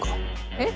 えっ！